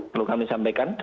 belum kami sampaikan